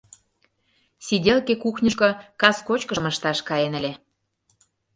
Сиделке кухньышко кас кочкышым ышташ каен ыле.